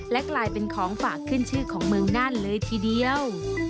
และกลายเป็นของฝากขึ้นชื่อของเมืองน่านเลยทีเดียว